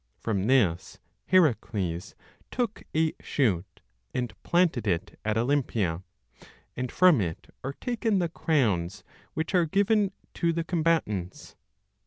From this Heracles took a shoot, and planted it at Olympia, and from it are taken the crowns which are given to the combatants.